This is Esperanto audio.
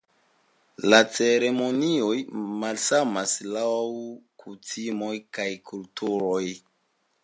La ceremonioj malsamas laŭ kutimoj kaj kulturoj.